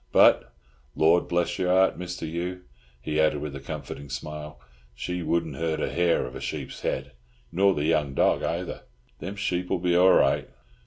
But, Lord bless your heart, Mr. Hugh," he added with a comforting smile, "she wouldn't hurt a hair of a sheep's head, nor the young dog ayther. Them sheep'll be all right.